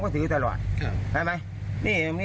มีเยี่ยมรับอามากกี่เบส